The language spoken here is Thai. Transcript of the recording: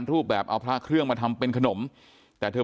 เธอเป็นเพื่อนใคร